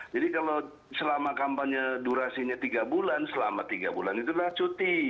jadi kalau selama kampanye durasinya tiga bulan selama tiga bulan itu adalah cuti